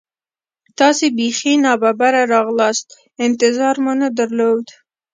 تاسې بیخي نا ببره راغلاست، انتظار مو نه درلود.